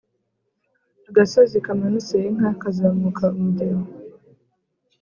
agasozi kamanutse inka kazamuka umugeni